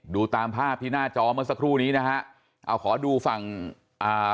ดูตามภาพที่หน้าจอเมื่อสักครู่นี้นะฮะเอาขอดูฝั่งอ่า